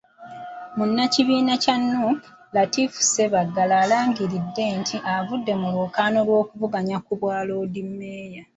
Munnakibiina kya Nuupu, Latif Ssebaggala alangiridde nti, avudde mu lwokaano lw'okuvuganya ku bwa Loodimmeeya.